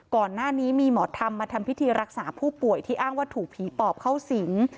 ก่อนหน้านี้มีหมอธรรมมาทำพิธีรักษาผู้ป่วยที่อ้างว่าถูกผีปอบเข้าสิง